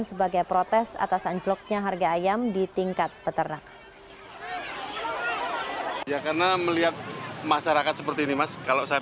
sebagai protes atas anjloknya harga ayam di tingkat peternak